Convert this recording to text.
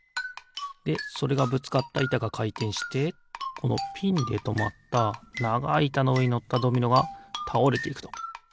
でそれがぶつかったいたがかいてんしてこのピンでとまったながいいたのうえにのったドミノがたおれていくと。